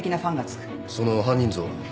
その犯人像は？